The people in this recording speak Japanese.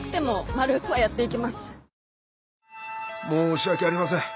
申し訳ありません。